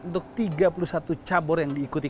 untuk tiga puluh satu cabur yang diikuti